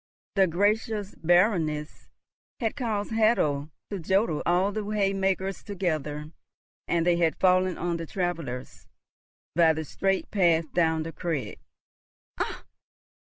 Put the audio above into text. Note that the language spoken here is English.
The gracious Baroness had caused Hatto to jodel all the hay makers together, and they had fallen on the travellers by the straight path down the crag. "Ach!